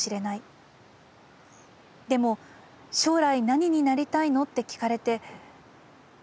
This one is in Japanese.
でも『将来何になりたいの？』って聞かれてう